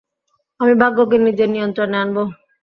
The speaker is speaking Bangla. আমি ভাগ্যেকে নিজের নিয়ন্ত্রণে আনবো।